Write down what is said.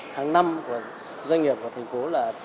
hàng năm doanh nghiệp của thành phố là